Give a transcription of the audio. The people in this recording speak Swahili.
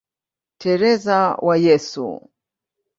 Teresa wa Yesu".